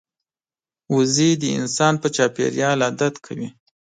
وزې د انسان په چاپېریال عادت کوي